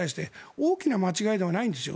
大きな間違いではないんですよ。